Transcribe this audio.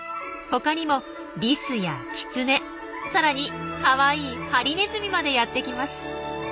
他にもリスやキツネさらにかわいいハリネズミまでやってきます。